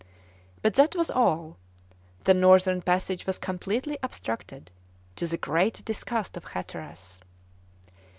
But that was all; the northern passage was completely obstructed to the great disgust of Hatteras.